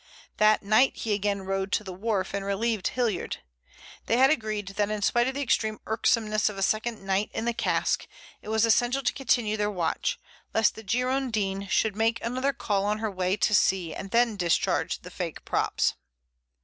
That night he again rowed to the wharf and relieved Hilliard. They had agreed that in spite of the extreme irksomeness of a second night in the cask it was essential to continue their watch, lest the Girondin should make another call on her way to sea and then discharge the faked props.